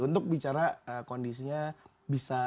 untuk bicara kondisinya bisa